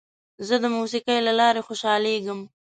زه د موسیقۍ له لارې خوشحالېږم.